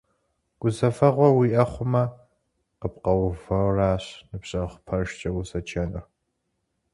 Гузэвэгъуэ уиӀэ хъумэ, къыпкъуэувэращ ныбжьэгъу пэжкӀэ узэджэнур.